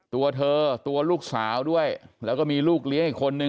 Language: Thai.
ตัวเธอตัวลูกสาวด้วยแล้วก็มีลูกเลี้ยงอีกคนนึง